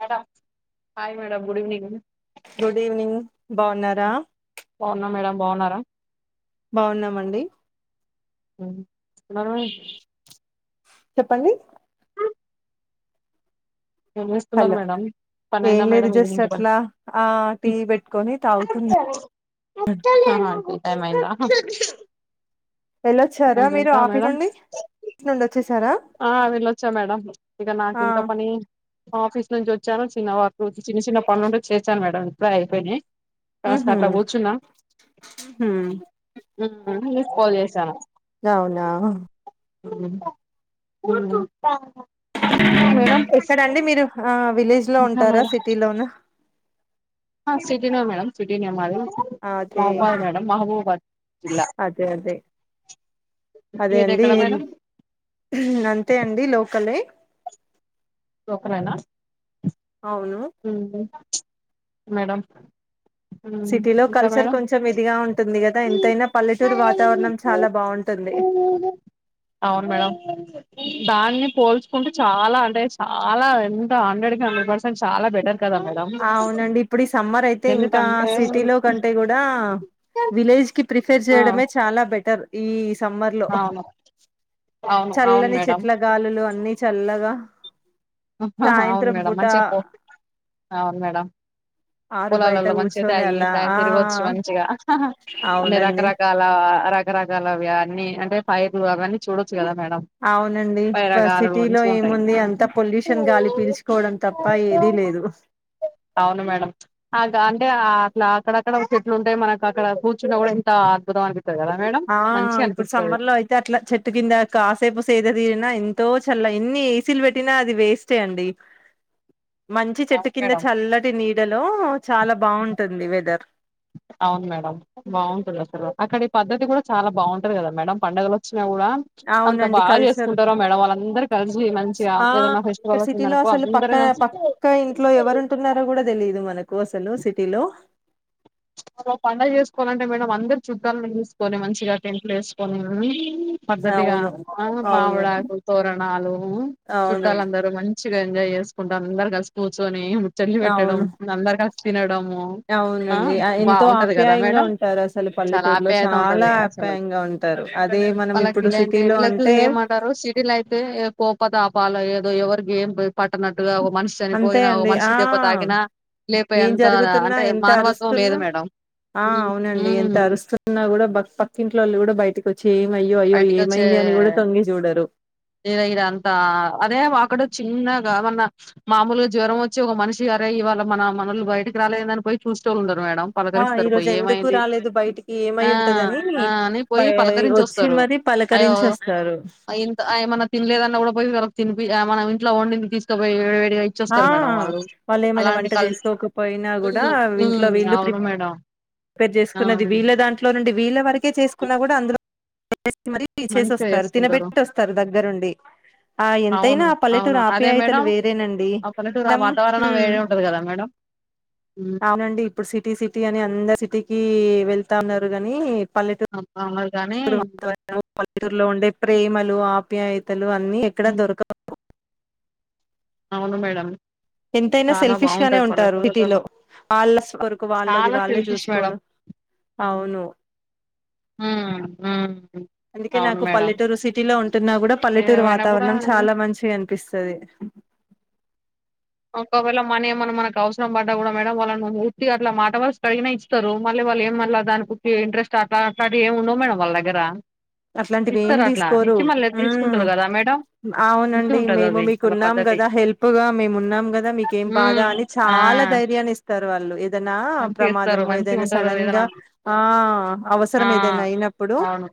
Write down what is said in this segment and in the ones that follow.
[unintelligible] Hi madam good evening good evening బాగున్నారా బావున్నా madam బాగున్నారా బాగున్నామండి ఉ మనం చెప్పండి ఏం జేస్తున్నరు హలో మేడం పని ఏం అయిందా లేదు మేడం జస్ట్ ఈవినింగ్ పని అట్లా ఆ టీ పెట్కొని తాగుతున్నా అని అనుకుంటాం ఇగ వెళ్ళొచ్చారా మీరు ఆఫీస్ నుండి నుండి వొచ్చేసారా ఆ వెళ్ళొచ్చా మేడం ఇగ ఆ నాకింత పని ఆఫీస్ నుంచి వొచ్చాను చిన్న వర్కు చిన్న చిన్న పనులుంటే చేశాను మేడం ఇప్పుడే అయిపేనయ్ కాస్త ఉహు అట్లా గూర్చున్నా హు ఉమ్ మీక్ కాల్ జేసాను అవునా మేడం ఎక్కడండి మీరు ఆ విలేజ్ లో ఇంక ఉంటారా మేడం సిటీలోనా ఆ సిటీనా మేడం కని సిటీ నే మాది అదే మహబాద్ మేడం మహబూబాద్ జిల్లా అదే అదే అదే మీది అండి ఎక్కడ ఏం మేడం అంతే అండి లోకలే లోకాలేనా అవును ఉహు మేడం ఉమ్ సిటీలో ఇంకా కల్చర్ మేడం కొంచం ఇదిగా ఉంటుంది గదా ఎంతైనా పల్లెటూరు వాతావరణం చాలా బాగుంటుంది ఎ అవునా దానన్నే పోల్చుకుంటే చాలా అంటే చాలా ఎంత హండ్రెడ్ కి హండ్రెడ్ పర్సెంట్ చాలా బెటర్ కదా మేడం అవునండి ఇప్పుడు ఈ సమ్మర్ అయితే ఇంకా ఎందుకంటే సిటీ లో కంటే గుడా విలేజ్ కి ప్రిఫెర్ ఆ చేయడమే చాలా బెటర్ ఈ సమ్మర్ లో అవును అవును అవును చల్లని మేడం చెట్ల గాలులు అన్ని చల్లగా అహహ అవును సాయంత్రం మేడం పూట మంచిగా పో అ అవును మేడం ఆరు బయట పొలాల్లలో మంచిగా కూర్చొని తాగి అలా తాయి ఆ తిరగొచ్చు మంచిగా అన్ని అవునండి రకరకాల అ రకరకాల అవి అన్నీ అంటే పైర్లు అవన్నీ చూడోచ్చు అవునండి ప సిటీలో మంచిగా ఉంటాయి ఏముంది అంత పొల్యూష షన్ గాలి పీల్చుకోవడం తప్ప ఏది లేదు ఆ అట్లా అక్కడక్కడ ఒక చెట్లు ఉంటాయి మనకు అక్కడ కూర్చున్న గుడా ఎంత అద్భుతం అనిపింది ఆ ఇప్పుడు సమ్మర్ లో అయితే అట్లా చెట్టు కింద కాసేపు సేద తీరిన ఎంతో తల్ల ఎన్ని ఏసీలు పెట్టినా అది వేస్టే అండి మంచి చెట్టు కింద మేడం చల్లటి నీడలో చాలా బాగుంటుంది వెదర్ అవును మేడం బాగుంటది అసలు అక్కడి పద్ధతి కూడా చాలా బాగుంటది గదా మేడం పండుగలోచ్ న గుడ అంత అవునండి బా కల్చర్ జేసుకుంటారో మేడం వాళ్ళందరూ కలిసి మంచిగా ఆ ఏదనా ఇక్కడ ఫెస్టివల్ సిటీలో వచ్చిందనుకో అసలు పక్క అందరు పక్క ఇంట్లో కలిసి ఎవరు ఉంటున్నారో గుడా దేలిదు మనకు అసలు సిటీలో ఒక పండగ జేసుకోవాలంటే మేడం అందరు చుట్టాలను పిలుసుకొని మంచిగా టెంట్లు ఎసుకొని ఉమ్ పద్ధతిగా అవును ఆ అవును మామిడాకు తోరణాలు అవును చుట్టాలందరూ మం చిగా ఎంజాయ్ జేసుకుంట అందరు కలిసి కూర్చొని ముచ్చట్లు పెట్టడం అవును అందరు కలిసి తినడం డమో ఆ ఎంతో బాగుంటది కదా ఆప్యాయంగా మేడం ఉంటారు అసలు చాలా పల్లెటూరులో ఆప్యాయత చాలా ఉంటది ఆప్యాయంగా ఉంటారు అదే మనం ఇప్పుడు అంటే వీళ్ళకు ఏమంటారు సిటీలయితే కోపాతప వాళ్ళ ఏదో ఎవరికి ఏం పట్టనట్టుగా ఒ మనిషి అంతే చనిపోయినా ఒ అండి ఆ మనిషికి దెబ్బ తాకిిన లేపే ఏం అంత జరుగుతున్నా అంటే ఎంత మానవత్వం లేదు అరుస్తున్నా మేడ్ ఆ అవునండి ఎంత అరుస్తున్నా గుడా బ పక్కింట్లోళ్ళు గుడా బైటికచ్చి బైటికచ్చే ఇగ ఇదంతా అదే వ అక్కడ చిన్న కా మొన్న మామూలుగా జ్వరం వచ్చి ఒక మనిషి అరే ఇవాళ మన మనోళ్ళు బయటకి రాలేదని పోయి చూస్తోలుండరూ మేడం ఆ ఈ పలకరిస్తారు పోయి రోజు ఎందుకు ఏమైంది రాలేదు బయటికి ఏమై ఆ ఉంటదని ఆ అని బై పోయి పలకరించి వస్ వచ్చి స్తరు మరి అయ్యో పలకరించి వస్తారు అ ఇంత అ ఏమన్న తినలేదన్న గుడ పోయ్ [unintelligible] తినిపి మనం ఇంట్లో వండి తీసుకపోయి వేడిగా ఆ ఇచ్చొస్తారు మేడం వాళ్ళు ఏమైనా అలాంటి వంట కల్ జేసుకోకపోయినా గుడా ఉమ్ ఉమ్ ఇంట్లో వీళ్ళు అవును ప్రిప్ మేడం ప్రిపేర్ ఆ జేసుకున్నది వీళ్ళ దాంట్లో నుండి వీళ్ళ వరకే చేసుకున్న గుడా అందులో తిసి మరి ఇచ్చేసి మంచిగా వస్తారు చేసుకుంటారు తినబెట్టి వస్తారు దగ్గరుండి ఆ ఎంతైనా అ పల్లెటూరు ఆప్యాయతలు వేరేనండి అ పల్లెటూరు అ మనం వాతావరణం హ్మ్. వేరే ఉంటది గదా మేడం ఉమ్ అవునండి ఇప్పుడు సిటీ సిటీ అని అందరు సిటీకి వెళ్తా ఉన్నారు గనీ [unintelligible] [unintelligible] పల్లెటూర్లో ఉండే ప్రేమలు ఆప్యాయతలు అన్ని ఎక్కడ ఉమ్ దొరకవు అవును మేడం ఎంతైనా చాలా సెల్ఫిష్ గానే బాగుంటది ఉంటారు సిటీలో పల్లెటూరులలో వాళ్ళ ఆశ కొరకు వాళ్ళది చాలా వాళ్ళే సెల్ఫిష్ మేడం జుస్కోడం అవును అ ఆహా అందుకే నాకు పల్లెటూరు సిటీ లో ఉంటున్నా గుడా పల్లెటూరు ఏమైనా కూడా వాతావరణం చాలా మంచిగా అన్పిస్తది ఒకవేళ మనీ ఏమన మనకు అవసరం పడ్డా గుడా మేడం వాళ్ళని ఉట్టిగా అట్లా మాట వర్సకడిగిన ఇస్తారు మళ్ళి వాళ్ళు ఏం మళ్ళా దానికుకే ఇంట్రెస్ట్ అట్లా అట్లాంటివి ఏమి ఉండవు మేడం వాళ్ళ దగ్గర అట్లాంటివి ఏం ఇస్తారట్లా ఇచ్చి మళ్ళ తీసుకుంటరు గదా మేడం మంచిగా ఆవునండి ఉంటది మేము అది మీకు వాళ్ళ ఉన్నాం పద్ధతి కదా హెల్ప్ గా మేమున్నాం కదా మీకేం బాధా ఉమ్ అని ఆ చాలా ధైర్యాన్ని ఇస్తారు వాళ్ళు దన్న మంచిగా ఇస్తారు ప్రమాదము మంచిగా ఏదైనా ఉంటారు సడన్ ఏదైనా గా ఆ ఆ అవసరం ఏదైనా అయినప్పుడు అవును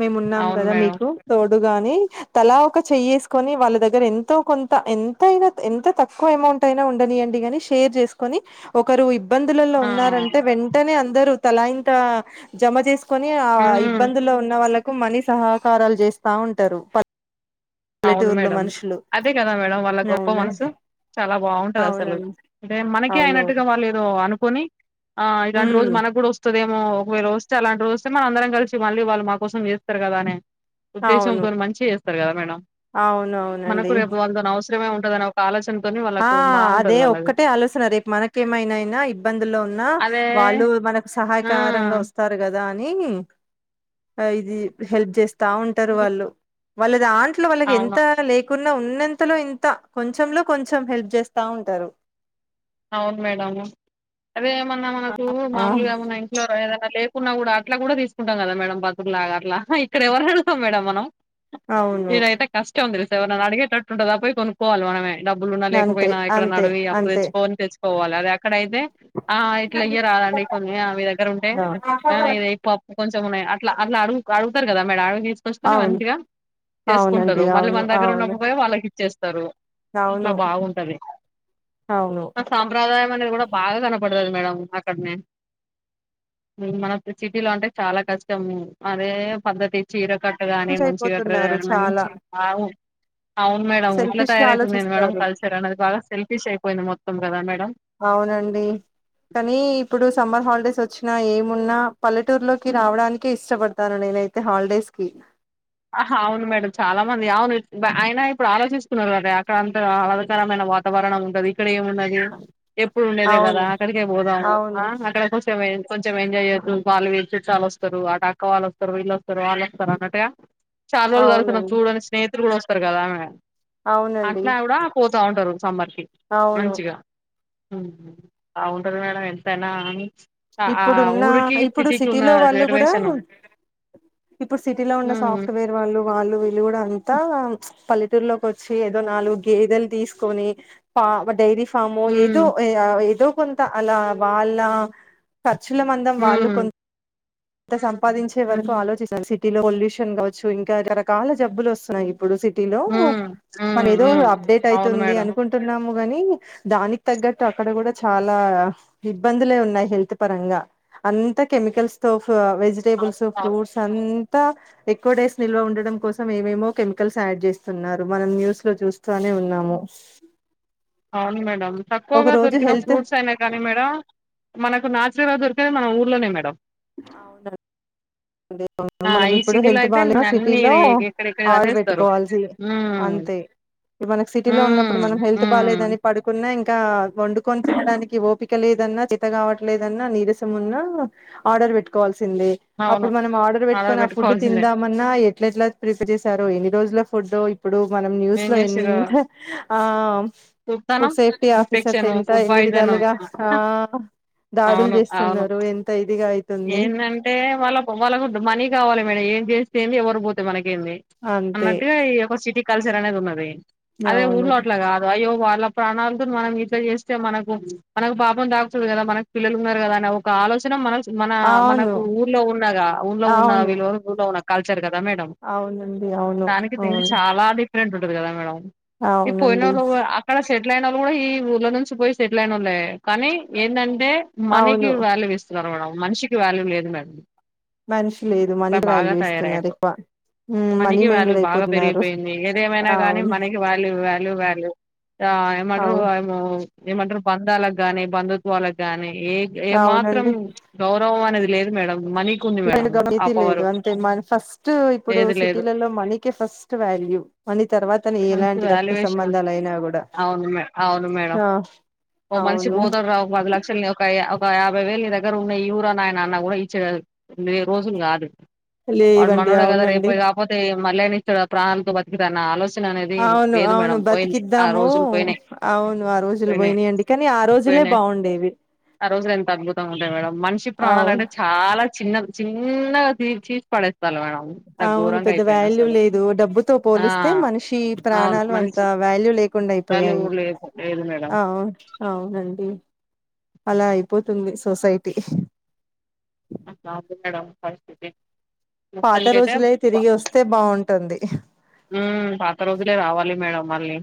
మేమున్నాం అవును కదా మేడం మీకు తోడుగా అని తలా ఒక చెయ్యేసుకొని వాళ్ళ దగ్గర ఎంతో కొంత ఎంతయినా ఎంత తక్కువ ఎ మౌంట్ అయి అయినా ఉండనియ్యండి గని షేర్ చేసుకొని ఒకరు ఇబ్బందులలో ఆ ఉన్నారంటే వెంటనే అందరూ తలాయింత జమ చేసుకొని ఆ ఉమ్ ఇబ్బందుల్లో ఉన్న వాళ్లకు మనీ సహాకారాలు చేస్తా ఉంటరు అవును మేడం అదే కదా మేడం వాళ్ళ గొప్ప మనసు అవునండి చాలా బాగుంటదసలు అవునండి అంటే మనకి అవును అయినట్టుగా వాల్లేదో అను కొని ఆ ఇలాంటి రోజు ఉమ్ మనకు కూడా వస్తదేమో ఒకవేల చలాంటిదొస్తే మన అందరం కలిసి మళ్ళీ వాళ్ళు మా కోసం చేత్తారు కదా అనే ఉద్దేశంతోని మంచిగా చేస్తారు కదా మేడం మనకు అవునువునండి రేపు వాళ్ళతోని అవసరమే ఉంటదని ఒక ఆలోచన ఆ అదే ఒక్కటే ఆలోచన రేపు మనకేమైనా అయినా ఇబ్బందుల్లో ఉన్నా అదే వాళ్ళు మనకు ఆ సహాయకారంగా వస్తారు కదా నీ అ ఇది హెల్ప్ చేస్తా ఉంటరు హ్మ్. వాళ్ళు వాల్లేదన్ ఇంట్లో వాళ్ళకి ఎంత అవును లేకున్నా ఉన్నంతలో ఇంత కొంచెంలో కొంచం హెల్ప్ చేస్తా ఉంటరు అవును మేడము అదే ఏమన్నా మనకు ఆ మామూలుగా ఏమన్నా ఇంట్లో ఏదైన లేకున్నా కూడా అట్లా కూడా తీసుకుంటాం కదా మేడం బతుకులగా అట్లా ఇక్కడ ఎవర్న అడుగుతాం మేడం మనం అవును ఎవైర్నన్నా అడిగేటట్టు ఉంటదా పోయి కొనుక్కోవాలి మనమే డబ్బులున్నా అంతే లేకపోయినా ఎక్కడన్నా అంతే అడివి అప్పు అంతే తెచ్చ తెచ్చుకోవాలి అదే అక్కడైతే ఆ ఇట్లా ఇయ్యరాదు ఆండి కొన్ని ఆమె దగ్గర ఉంటే ఆ, ఆ ఇది పప్పు కొంచెం మున్నాయ అట్ల అట్ల అడుగు అడుగుతరు కదా మేడ తీసుకోస్తేనే అవును వంకిరా అవునండి చేసుకుంటారు మళ్ళీ అవును మన దగ్గర అవును [unintelligible] వాళ్ళకి ఇచ్చేస్తారు ఇట్లా అవును బాగుంటది అవును ఆ సాంప్రదాయం అనేది కూడా బాగా కనపడు టది మేడం అక్కడనే ఉమ్ మన చిటీలంటే చాలా కష్టం అదే పద్ధతి చీర కట్ గానే సెల్ఫిష్ మంచిగ ట్రై అయిపోతున్నారు చాలా మంచి ఆవు అవును మేడం ఇట్ల సెల్ఫిష్ గా తయారైతుంది ఏంది మేడం ఆలోచిస్తారు కల్చర్ అనేది బాగ సెల్ఫీష్ అయిపోయింది మొత్త అవునండి కనీ ఇప్పుడు సమ్మర్ హాలిడేస్ వచ్చినా ఏమున్నా పల్లెటూరులోకి రావడానికి ఇష్టపడతాను నేనైతే హాలిడేస్ కి ఆహ అవును మేడం చాలా మంది అవును ఆయన ఇప్పుడు ఆలోచిస్తున్నారు కద అక్కడ అంత ఆహ్లాదకరమైన వాతావరణం ఉంటది ఇక్కడ ఏమున్నది ఎప్పుడు ఉండేదే కదా అవును అక్కడికే పోదాము అ అవును అక్కడ కోస [unintelligible] కొంచెం ఎంజాయ్ [inaudible] వాళ్ళు వీళ్ళు చుట్టాలు వస్తారు ఆటక్క వాల్లు వస్తారు వీళ్ళు ఒస్తరు వాళ్ళు వస్తారు అన్నట్టుగా చాలా రోజు [unintelligible] అవునండి చూడని స్నేహితులు కూడా వస్తారు కదా అవునండి అట్లా ఆవిడా పో తావుంటరు సమ్మర్ అవును ఉమ్ బావుగుంటది మేడం ఎంతైనా ఆ ఆ ఇప్పుడున్నా ఊరికి ఇప్పుడు సిటీకి ఉన్న సిటీలో వాళ్ళు కూడా రిజర్వేషన్ ఇప్పుడు సిటీ లో ఉన్న హ్మ్ సాఫ్ట్వేర్ వాళ్ళు వాళ్ళు వీళ్ళు కూడా అంతా పల్లెటూరులోకి వచ్చి ఏదో నాలుగు గేదెలు తీసుకోని ఫ ఒక డైరీ ఫామొ ఏదో హ్మ్ ఏదో కొంత అలా వాళ్ళ ఖర్చుల మందం వాళ్ళు హ్మ్ కొంత ఇంత సంపాదించే వరకు హ్మ్ ఆలోచిస్తది సిటీలో పొల్యూషన్ కావచ్చు ఇంకా రకరకాల జబ్బులొస్తున్నాయి ఇప్పుడు సిటీలో హ్మ్ హ్మ్ మనేదో హ్మ్. అప్డేట్ అవును అయితుంది మేడం అనుకుంటున్నాము వనీ దానిక్ తగ్గట్టు అక్కడ గుడ చాలా ఇబ్బందులే ఉన్నాయ్ హెల్త్ పరంగ అంత కెమికల్స్తో వెజిటేబుల్స్, అవును ఫ్రూట్స్, అం త ఎక్కువ డేస్ నిల్వ ఉండడం కోసం ఏమేమో కెమికల్స్ యాడ్ చేస్తున్నారు మనం న్యూస్ లో చూస్తానే ఉన్నాము. అవును మేడం. ఒక తక్కువగా రోజు దొరికిన హెల్త్ ఫ్రూట్స్ అయినా కానీ మేడం మనకు నాచురల్గా దొర్ నేది మన ఊర్లనే మేడం. అవున ఆ మనం ఈ ఇప్పుడు సిటీలో హెల్త్ అయితే బాలేన అన్ని సిటీలో ఎక్కడెక్కడ ఆర్డర్ అనేస్తారు పెట్టుకోవాల్సీ అం హ్మ్ అంతే ఇ మనక్ సిటీలో ఉన్నప్పుడు హ్మ్ మనం హెల్త్ హ్మ్ బాలేదని పడుకున్నా ఇంకా వండుకోన్ తినడానికి ఓపిక లేదన్నా, చేత కావట్లేదన్నా, నీరసం ఉన్నా ఆర్డర్ పెట్టుకోవాల్సింది అవును అప్పుడు మనం ఆర్డర్ పెట్టుకొని ఆ ఫుడ్ తిందామన్నా ఎట్ల ఎట్ల ప్రిపేర్ చేశారో ఎన్ని రోజుల ఫుడ్డో ఇ ప్పుడు మనం ఏం న్యూస్లో చేసిర్రు ఏంత ఆ చూత్తానం ఫుడ్ సేఫ్టీ ఆఫీసర్స్ ఇన్ఫెక్షన్ ఎంత ఫుడ్ ఎన్ని పాయిజన్ విధాల్గా ఆ దాడుల్ అవును అవును చేస్తున్నారు ఎంత ఇదిగా అయి ఏందంటే వాళ్ళకు వాళ్ళకు మనీ కావాలె మేడం ఏం చేస్తేంది ఎవరు పోతే మన కేంది అంతే అన్నట్టుగా ఈ ఒక సిటీ కల్చర్ అనేద్ ఉన్నది. అదే అవును ఊర్లో అట్ల గాదు అయ్యో వాళ్ళ ప్రాణాలతోన్ మనం ఇట్ల చేస్తే మనకు మనకు పాపం తాకుతుంది గదా మనక్ పిల్లలున్నారు గదా ఆ ఒక్క ఆలోచన మనస్ మనా అవును మనకు ఊర్లో ఉన్నగా ఊర్లో ఉన్న అవును విల్వల్ ఊర్లో ఉన్న కల్చర్ గ ద మేడం అవునండి అవును దానికి దీనికి అవును చాలా డిఫరెంట్ ఉంటది గదా మేడం. ఈ పోయినోళ్ళు అవునండి అక్కడ సెటిలైనోళ్ళు గుడ ఈ ఊర్ల నుంచి పోయి సెటిల్ అయినోళ్ళే కానీ ఏందం డే మనీకి అవును వాల్యూవ్ ఇస్తున్నారు మేడం మనిషికి వాల్యూ లేదు మేడం మనిషి లేదు మనికి వాల్యూ ఇస్తున్నారు ఎక్కువ. హ్మ్. మనీ మనికి వాల్యూ మైండెడ్ బాగా అయిపోతున్నారు పెరిగిపోయింది ఏదేమైనా గానీ అవును మనికి వాల్యూ ఇవ్వా లు వాల్యూ ఆ ఏమంటరు అవును వయామో ఏమంటరు బంధాలకు గాని బంధుత్వాలకు గాని ఏ ఏ మాత్రం గౌరవం అనేది లేదు మేడం. మనీకి ఉంది మేడం [inaudible] ఆ గమితి లేదు పవరు అంతే మన్ ఫస్ట్ ఇప్పుడు లేదు లేదు సిటీలలో మనీకే ఫస్ట్ వ్యా మనీ తర్వాతనే మంచి ఎలాంటి రక్త వాల్యుయేషన్ ఉంది. సంబంధాలైనా గుడా అవును మే అవును మేడం ఓ మనిషి బోతడ్రా ఒక పది లక్షల్ని ఒక య ఒక యాభై వేల్ నీ దగ్గర ఉన్నయి ఇవ్వురా నాయన అన్న గుడా ఇచ్చే వే రోజుల్ గాదు. వాడు లేవండి మనోడే గదా రేప్ అవునండి కాక్పోతే మళ్ళైన ఇస్తాడా ప్రాణాల్తో బతికితే అన్న ఆలోచన అనేది అవును లేదు అవును మేడం పోయింది ఆ బతికిద్దాము రోజులు పోయినాయి అవును ఆ రోజులు పోయినాయి పోయినయండి కనీ ఆ రోజుల్ లే పోయినాయి బావుండేవి. ఆ రోజులు ఎంత అద్భుతంగ ఉంటయి మే మేడం మనిషి ప్రాణాలైతే అవును చాలా చిన్నవి చిన్నగా [inaudible] పడే అవును పెద్ద వాల్యూ లేదు డబ్బుతో ఆ పోలుస్తే మనిషి అవును ప్రాణాలు మనిషి అంతా వాల్యూ లేకుండా చుట్టాలు అయిపోయాయి లేదు లేదు మేడం ఆ అవునండి. అలా అయిపోతుంది సొసైటీ పాపం మేడం పరిస్థితి. పాత మొత్తానికైతే రోజులే తిరిగి వస్తే బావుంటుంది. ఉమ్ పాత రోజులే రావాలి మేడం మళ్ళీ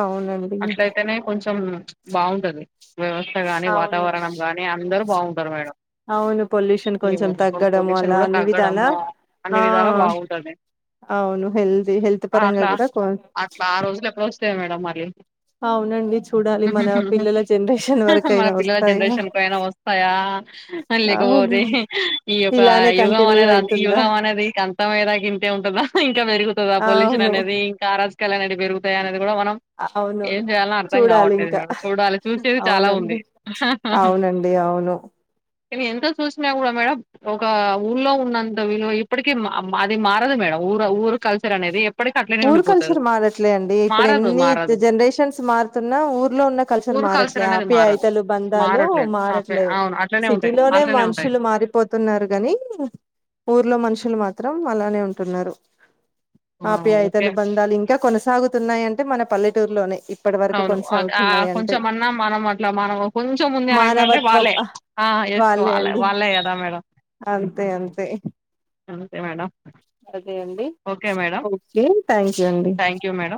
అవునం అట్లైతేనే కొంచం బావుంటది వ్యవస్థ గానీ, అవును వాతావరణం గానీ, అందరు బావుంటరు మేడం. అవును పొల్యూషన్ కొంచం తగ్గడం పొల్యూషన్ అలా కూడా అన్ని విధాలా తగ్గడము అన్ని ఆ విధాలా బాగుంటది అవును హెల్తీ హెల్త్ పరంగా అట్లా గుడా కొ అట్లా ఆ రోజులు ఎప్పుడు వస్తాయి మేడం మళ్ళీ అవునండి చూడాలి మన పిల్లల జనరేషన్ మన వరకైనా పిల్లల వస్తాయా జనరేషన్ పైన వస్తయా అవును లేకపోతే ఈ యొక్క ఇలానే యుగం కంటిన్యూ అనేది అయితుందా అంతిగం అనేది అంతమయ్యే దాక ఇంతే ఉంటద ఇంక పెరుగుతదా పొల్యూషన్ అవును అనేది ఇంకా అరాజ్కలు అనేటియి పెరుగుతయా అనేది గూడా మనం అవును ఏం చేయాలో అర్థం చూడాలి కావట్లేదు ఇంకా మేడం చూడాలి చూసేది చాలా ఉంది అవునండి అవునండి అవును కాని ఎంత చూసినా కూడా మేడం ఒక ఊల్లో ఉన్నంత వీలు ఇప్పటిక అది మారదు మేడం ఊర ఊరు కల్చర్ అనేది ఎప్పటికి అట్లనే ఊర్ ఉండిపోతారు కల్చర్ మారట్లే అండి ఇప్పుడు మారదు ఎన్ని మారదు జనరేషన్స్ మారుతున్నా ఊర్లో ఉన్న కల్చర్ ఊరు మరట్లే అనేది మారదు ఆప్యాయితలు బంధాలు మారట్లేదు ఓకే మారట్లేవు అవును అట్లనే సిటీ ఉంటాయి లోనే అట్లనే ఉంటాయి మనుషులు మారిపోతు ఉన్నారు గాని ఊర్లో మనుషులు మాత్ మాత్రం అలానే ఉంటున్నారు ఆ! ఓకే ఆప్యాయితలు బంధాలు ఇంకా కొన సాగుతున్నాయి అంటే మన పల్లెటూరులోనే ఇ అవును అదే ఆ కొంచమ అన్నా మనం అట్లా మనం కొంచెం ఉంది అనింట అంటే మానవత్వం వాళ్ళే ఆ ఎస్ వాళ్ళే వాలే అండి వాళ్ళే కదా మేడం అంతే అంతే అంతే మేడం అదే అండి okay madam okay thank you అండి థ్యాంక్ యూ మేడం